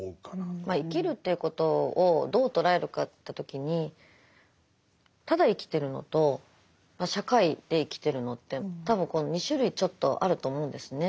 まあ生きるということをどう捉えるかといった時にただ生きてるのと社会で生きてるのって多分この２種類ちょっとあると思うんですね。